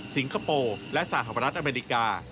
คโปร์และสหรัฐอเมริกา